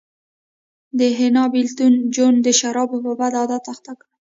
د حنا بېلتون جون د شرابو په بد عادت اخته کړ